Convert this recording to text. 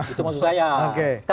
itu maksud saya